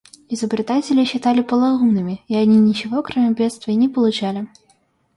Изобретателей считали полоумными, и они ничего, кроме бедствий, не получали.